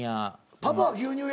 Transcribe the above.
パパは牛乳屋？